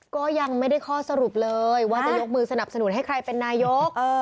ก็ยังไม่ได้ข้อสรุปเลยว่าจะยกมือสนับสนุนให้ใครเป็นนายก